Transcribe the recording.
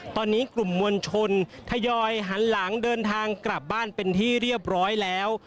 ตอนนี้กลุ่มมวลชนทยอยหันหลังเดินทางกลับบ้านเป็นที่เรียบร้อยแล้ว